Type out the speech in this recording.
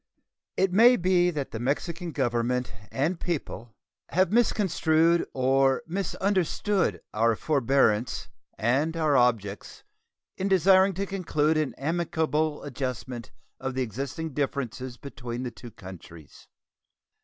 It may be that the Mexican Government and people have misconstrued or misunderstood our forbearance and our objects in desiring to conclude an amicable adjustment of the existing differences between the two countries.